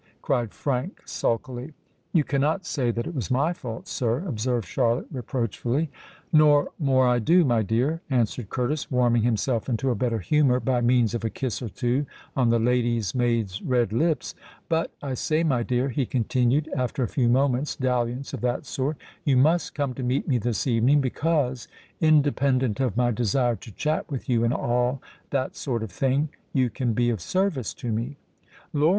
cried Frank sulkily. "You cannot say that it was my fault, sir," observed Charlotte reproachfully. "Nor more I do, my dear," answered Curtis, warming himself into a better humour by means of a kiss or two on the lady's maid's red lips. "But, I say, my dear," he continued, after a few moments' dalliance of that sort, "you must come to meet me this evening; because, independent of my desire to chat with you and all that sort of thing, you can be of service to me." "Lor'!